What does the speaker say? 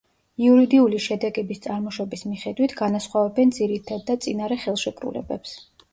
იურიდიული შედეგების წარმოშობის მიხედვით განასხვავებენ ძირითად და წინარე ხელშეკრულებებს.